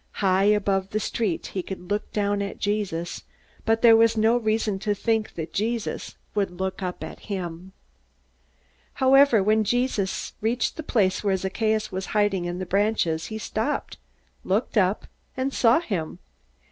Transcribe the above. High above the street, he could look down at Jesus, but there was no reason to think that Jesus would look up at him. However, when Jesus reached the place where Zacchaeus was hiding in the branches, he stopped, looked up, and saw him.